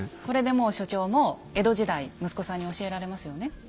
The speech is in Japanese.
これでもう所長も江戸時代息子さんに教えられますよね。